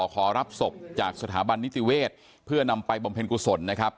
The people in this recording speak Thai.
ขอรับศพจากสถาบันนิติเวศเพื่อนำไปบำเพ็ญกุศลนะครับ